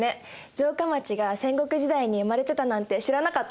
城下町が戦国時代に生まれてたなんて知らなかった。